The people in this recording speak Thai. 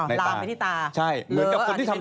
อะลามไปที่ตา